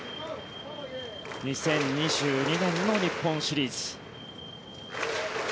２０２２年の日本シリーズ。